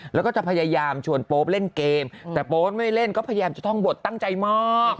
แล้วก็จะพยายามชวนโป๊ปเล่นเกมแต่โป๊ปไม่เล่นก็พยายามจะท่องบทตั้งใจมาก